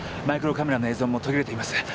マイクロカメラの映像も途切れています。